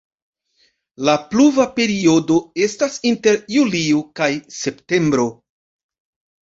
La pluva periodo estas inter julio kaj septembro.